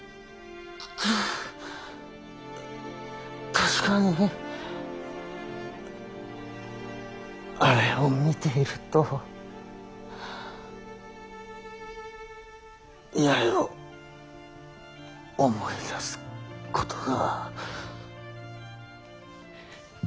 確かにあれを見ていると八重を思い出すことが。